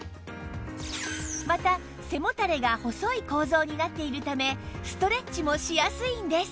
また背もたれが細い構造になっているためストレッチもしやすいんです